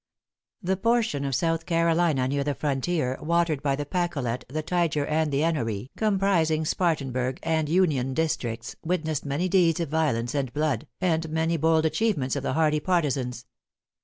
The portion of South Carolina near the frontier, watered by the Pacolet, the Tyger, and the Ennoree, comprising Spartanburg and Union Districts, witnessed many deeds of violence and blood, and many bold achievements of the hardy partisans.